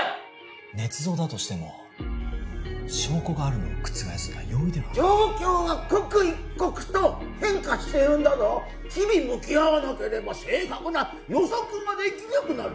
ねつ造だとしても証拠があるのを覆すのは容易ではありません状況が刻一刻と変化しているんだぞ日々向き合わなければ正確な予測ができなくなる